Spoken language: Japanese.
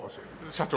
社長！？